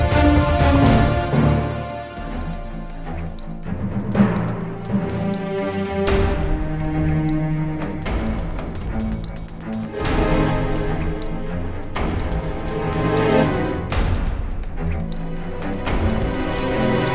lalu lo kembali ke rumah